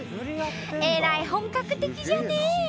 えらい本格的じゃね！